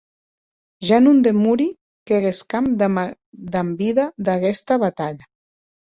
Ja non demori que gescam damb vida d’aguesta batalha.